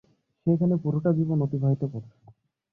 সে এখানে পুরোটা জীবন অতিবাহিত করেছে।